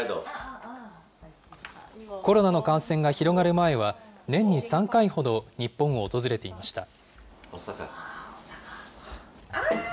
コロナの感染が広がる前は、年に３回ほど日本を訪れていました。